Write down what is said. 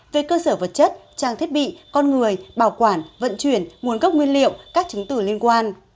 về cơ sở vật chất trang thiết bị con người bảo quản vận chuyển nguồn gốc nguyên liệu các chứng tử liên quan